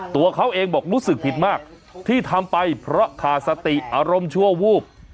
ตัวเขาเองบอกรู้สึกผิดมากที่ทำไปเพราะขาดสติอารมณ์ชั่ววูบ